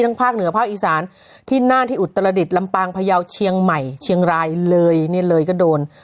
ภาคเหนือภาคอีสานที่น่านที่อุตรดิษฐ์ลำปางพยาวเชียงใหม่เชียงรายเลยเนี่ยเลยก็โดน